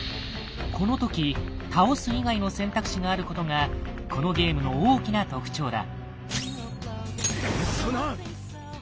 この時「倒す」以外の選択肢があることがこのゲームの大きな特徴だ。